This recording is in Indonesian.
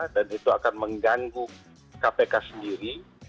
dan itu akan mengganggu kpk sendiri